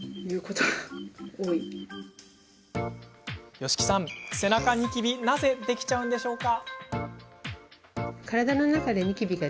吉木さん、背中ニキビなぜできちゃうんでしょうか。